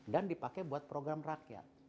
dan dipakai buat program rakyat